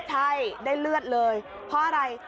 ใช่ได้เลือดเลยเพราะอะไร